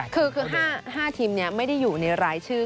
คือ๕ทีมไม่ได้อยู่ในรายชื่อ